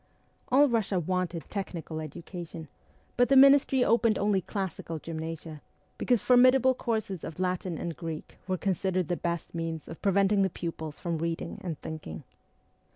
All Eussia wanted technical education, but the Ministry opened only classical gymnasia, because for midable courses of Latin and Greek were considered ST. PETERSBURG 29 the best means of preventing the pupils from reading and thinking.